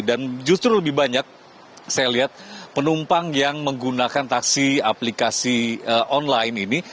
dan justru lebih banyak saya lihat penumpang yang menggunakan taksi aplikasi online ini